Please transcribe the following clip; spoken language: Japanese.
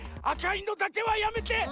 あかいのだけはやめて！